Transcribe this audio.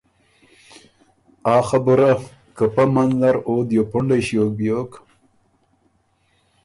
آ خبُره، که پۀ مںځ نر او دیوپُنډئ ݭیوک بیوک